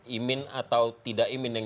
imin atau tidak imin yang